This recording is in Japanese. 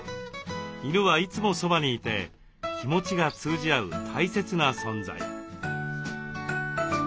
犬はいつもそばにいて気持ちが通じ合う大切な存在。